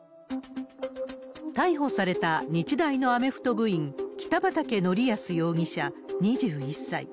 逮捕された日大のアメフト部員、北畠成文容疑者２１歳。